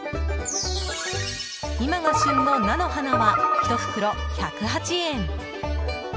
今が旬の菜の花は１袋１０８円。